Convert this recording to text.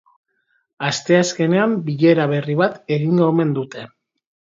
Asteazkenean bilera berri bat egingo omen dute.